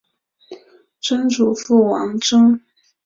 曾祖父王珍。